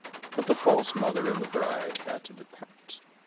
But the false mother and the bride had to depart.